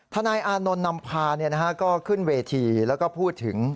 ธนายอานนท์นำพาเนี่ยนะครับก็ขึ้นเวทีแล้วก็พูดถึง